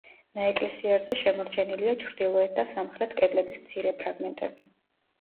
ნაეკლესიარზე შემორჩენილია ჩრდილოეთ და სამხრეთ კედლების მცირე ფრაგმენტები.